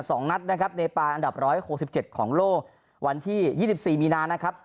สองนัดนะครับเนปาอันดับร้อยหกสิบเจ็ดของโลกวันที่ยี่สิบสี่มีนานะครับ